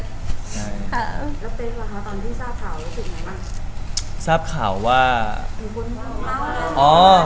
แล้วเต้นหรือคะตอนที่ทราบข่าวรู้สึกไงบ้าง